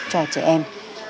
cho trẻ em